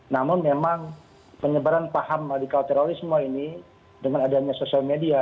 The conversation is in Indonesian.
namun memang penyebaran paham radikal terorisme ini dengan adanya sosial media